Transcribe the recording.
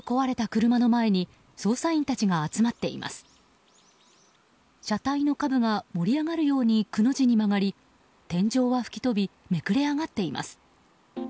車体の下部が盛り上がるようにくの字に曲がり天井は吹き飛びめくれ上がっています。